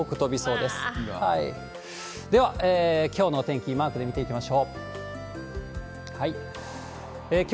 では、きょうのお天気、マークで見ていきましょう。